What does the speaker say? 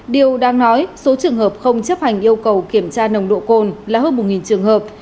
điều đang nói số trường hợp không chấp hành yêu cầu kiểm tra nồng độ cồn là hơn một trường hợp